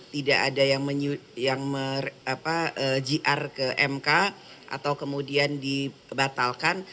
tidak ada yang jiar ke mk atau kemudian dibatalkan